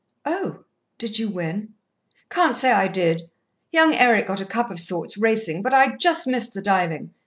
"Oh, did you win?" "Can't say I did. Young Eric got a cup of sorts, racing, but I just missed the diving.